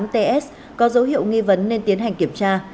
bốn nghìn bốn trăm năm mươi tám ts có dấu hiệu nghi vấn nên tiến hành kiểm tra